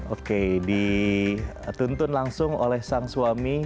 oke dituntun langsung oleh sang suami